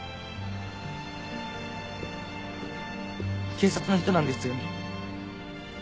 警察の人なんですよね？